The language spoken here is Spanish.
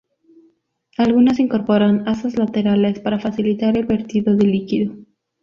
Algunas incorporan asas laterales para facilitar el vertido del líquido.